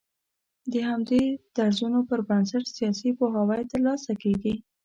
د همدې درځونو پر بنسټ سياسي پوهاوی تر لاسه کېږي